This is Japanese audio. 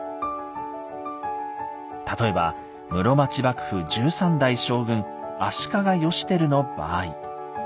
例えば室町幕府１３代将軍足利義輝の場合。